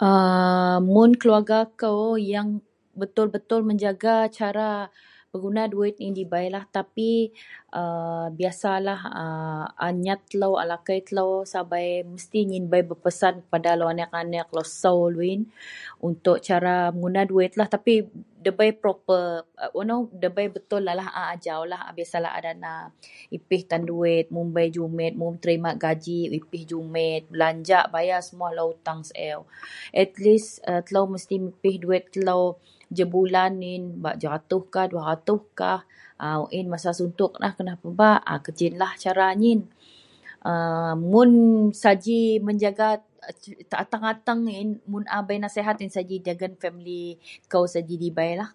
.…aaa.. mun keluarga kou yang betul-betul mejaga cara meguna duwit yen ji dibeilah tapi a biyasalah a nyat telou, a lakei telou sabei mesti nyin bei berpesan kepada lou aneak-aneak, lou sou lowin untuk cara meguna duwitlah tapi ndabei proper wak nou, ndabei betul alah a ajaulah. Biyasalah a dana, dipeh tan duwit mun bei jumit mun terimak gaji dipeh jumit, belajak bayar semuwa lou uteang siew. Atlis telou mesti dipeh duwit telou jebulan yen bak 100 kah 200 kah. A wak yen masa sutuok neh kaau kena pebak. Gejilah cara nyin. A mun saji mejaga ateng-ateng yen, mun a bei nasihat yen dagen famili kou saji dibeilah.